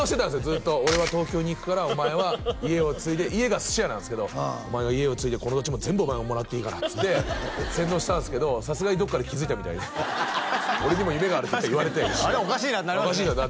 ずっと俺は東京に行くからお前は家を継いで家が寿司屋なんですけどお前が家を継いでこのうちも全部お前がもらっていいからっつって洗脳したんですけどさすがにどっかで気づいたみたいで「俺にも夢がある」って言われて確かに「あれ？おかしいな」ってなりますよね